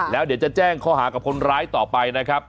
แล้วเดี๋ยวจะแจ้งข้อหากับคนร้ายต่อไปนะครับ